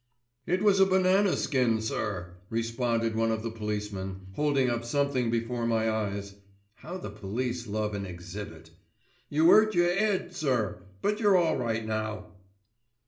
"It was a banana skin, sir," responded one of the policemen, holding up something before my eyes—(how the police love an "exhibit")—"you 'urt your 'ead, sir, but you're all right now."